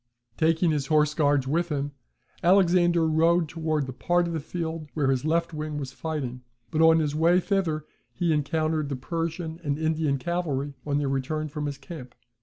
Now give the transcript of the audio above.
Taking his horse guards with him, Alexander rode towards the part of the field where his left wing was fighting; but on his way thither he encountered the Persian and Indian cavalry, on their return from his camp.